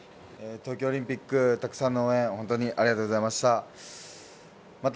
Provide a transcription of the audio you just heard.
東京オリンピック、たくさんの応援を本当にありがとうございました。